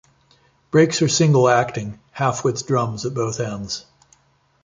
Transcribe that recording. Brakes are single acting, half width drums at both ends.